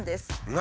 何？